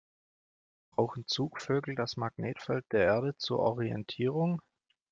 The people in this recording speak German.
Brauchen Zugvögel das Magnetfeld der Erde zur Orientierung?